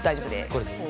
これでね？